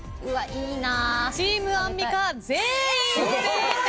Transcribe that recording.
チームアンミカ全員正解。